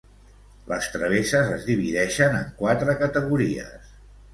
Les travesses es divideixen en quatre categories.